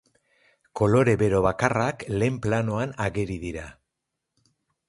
Kolore bero bakarrak lehen planoan ageri dira.